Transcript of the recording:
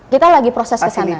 kita lagi proses kesana